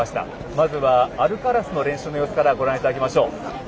まずはアルカラスの練習の様子からご覧いただきましょう。